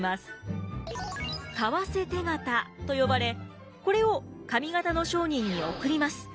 為替手形と呼ばれこれを上方の商人に送ります。